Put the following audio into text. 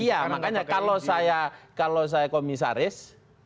iya makanya kalau saya komisaris